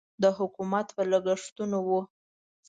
د حکومت په لګښتونو و.